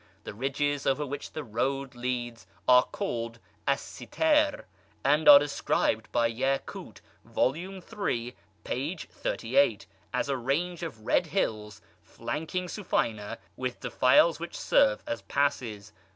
The ridges over which the road leads are called al Sitar, and are described by Yacut, vol. iii. p. 38, as a range of red hills, flanking Sufayna, with defiles which serve as passes.